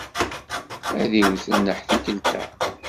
Ad iwet nneḥ tikkelt-a.